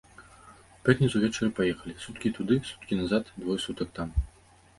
У пятніцу ўвечары паехалі, суткі туды, суткі назад, двое сутак там.